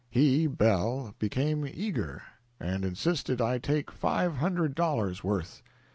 He became eager; and insisted I take five hundred dollars' worth.